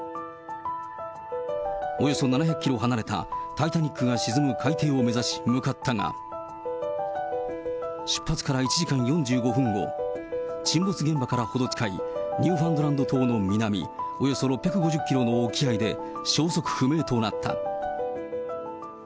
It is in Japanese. およそ７００キロ離れたタイタニックが沈む海底を目指し、向かったが、出発から１時間４５分後、沈没現場から程近いニューファンドランド島の南およそ６５０キロの沖合で消息不明となった。